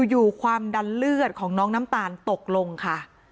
อยู่ความดันเลือดของน้องน้ำตาลตกลงค่ะ